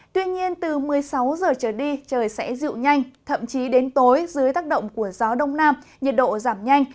tuy nhiên từ một mươi sáu giờ trở đi trời sẽ dịu nhanh thậm chí đến tối dưới tác động của gió đông nam nhiệt độ giảm nhanh